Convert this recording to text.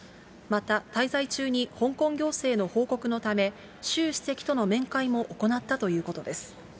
また、滞在中に香港行政の報告のため、習主席との面会も行ったということです。